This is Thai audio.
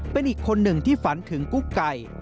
เป็นอีกคนหนึ่งที่ฝันถึงกุ๊กไก่